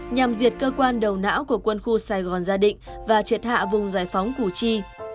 nhằm diệt cơ quan đầu não của quân khu sài gòn gia đình và triệt hạ vùng giải phóng củ chi